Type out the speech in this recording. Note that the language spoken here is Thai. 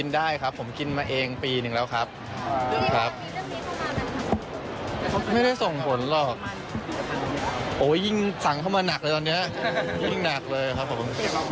ไม่ได้ส่งผลหรอกโอ๊ยยิ่งสั่งเข้ามาหนักเลยตอนนี้ยิ่งหนักเลยครับผม